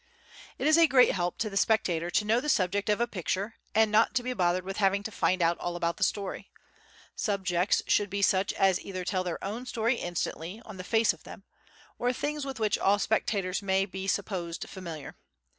It is a great help to the spectator to know the subject of a picture and not to be bothered with having to find out all about the story. Subjects should be such as either tell their own story instantly on the face of them, or things with which all spectators may be supposed familiar.